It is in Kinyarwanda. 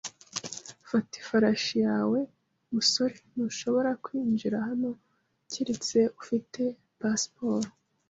Fata ifarashi yawe, musore. Ntushobora kwinjira hano keretse ufite pasiporo.